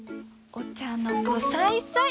お茶の子さいさい！